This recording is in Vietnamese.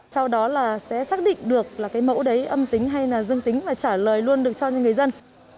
sau đó là sẽ xác định được là cái mẫu đấy âm tính hay là dân tính và trả lời luôn được cho những người dân